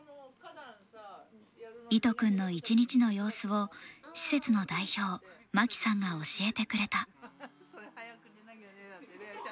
いと君の一日の様子を施設の代表眞希さんが教えてくれた。